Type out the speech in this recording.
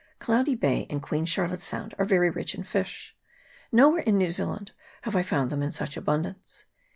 Cloudy Bay and Queen Charlotte's Sound are very rich in fish. Nowhere in New Zealand have I found them in such abundance.